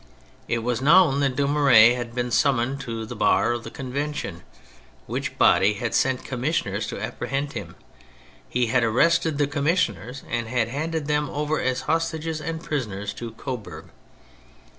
It was known that Dumouriez had been summoned to the bar of the Convention, which body had sent commissioners to apprehend him. He had arrested the commissioners, and had handed them over as hostages and prisoners to Coburg.